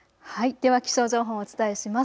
では気象情報をお伝えします。